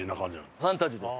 ファンタジーです。